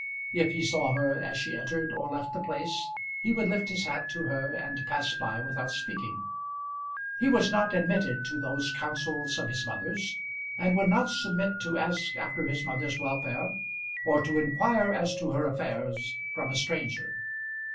If he saw her as she entered or left the place, he would lift his hat to her and pass by without speaking. He was not admitted to those councils of his mother's, and would not submit to ask after his mother's welfare or to inquire as to her affairs from a stranger.